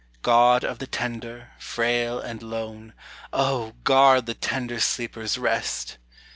God of the tender, frail, and lone, O, guard the tender sleeper's rest!